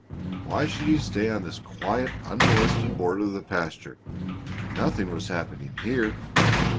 Why should he stay on this quiet, unmolested border of the pasture? Nothing was happening here!